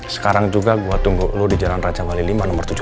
sekarang juga gue tunggu lo di jalan raja wali lima nomor tujuh puluh delapan